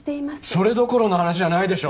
それどころの話じゃないでしょ！